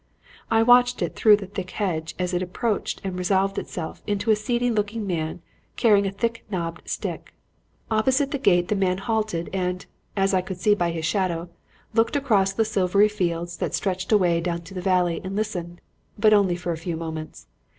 I watched it through the thick hedge as it approached and resolved itself into a seedy looking man carrying a thick knobbed stick. "Opposite the gate the man halted and, as I could see by his shadow, looked across the silvery fields that stretched away down to the valley and listened, but only for a few moments.